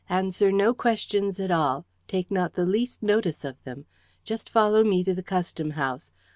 Answer no questions at all. Take not the least notice of them. Just follow me to the Custom House.